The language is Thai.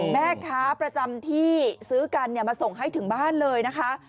แม่ค้าประจำที่ซื้อกันมาส่งให้ถึงบ้านเลยนะคะ